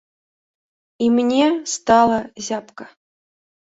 І мне стала зябка.